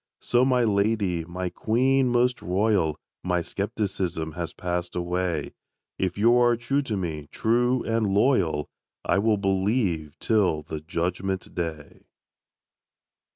So my lady, my queen most royal, My skepticism has passed away; If you are true to me, true and loyal, I will believe till the Judgment day.